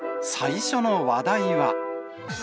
最初の話題は。